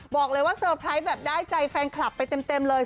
บอกเลยว่าแฟนคลับเซาไพรซ์ได้ใจไปเต็มเลย